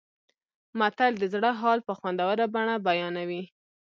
متل د زړه حال په خوندوره بڼه بیانوي